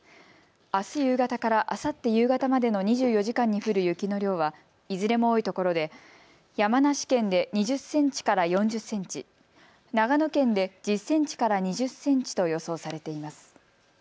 あす夕方からあさって夕方までの２４時間に降る雪の量はいずれも多いところで山梨県で２０センチから４０センチ、長野県で１０センチから２０センチと予想されています。